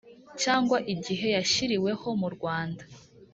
Cyangwa igihe yashyiriweho mu rwanda